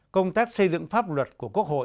công tác xây dựng pháp luật của quốc hội